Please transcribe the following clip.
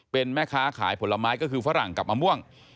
เป็นแม่ค้าขายผลไม้ก็คือฝรั่งกับมะม่วง